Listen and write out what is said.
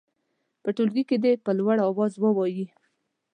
په ټولګي کې دې په لوړ اواز ووايي.